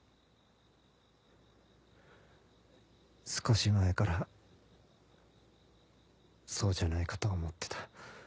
少し前からそうじゃないかと思ってた。